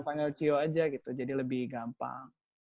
panggil cio aja gitu jadi lebih gampang